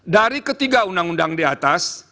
dari ketiga undang undang di atas